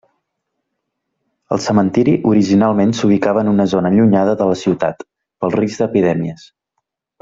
El cementiri originalment s'ubicava en una zona allunyada de la ciutat, pel risc d'epidèmies.